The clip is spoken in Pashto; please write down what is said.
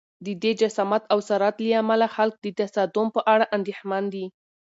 د دې جسامت او سرعت له امله خلک د تصادم په اړه اندېښمن دي.